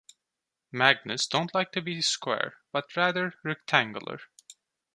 Magnets don't like to be square, but rather rectangular.